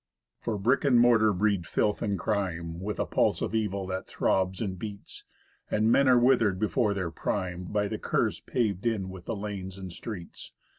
For brick and mortar breed filth and crime, With a pulse of evil that throbs and beats; And men are withered before their prime By the curse paved in with the lanes and streets.